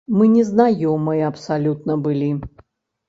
Мы не знаёмыя абсалютна былі.